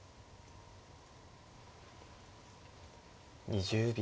２０秒。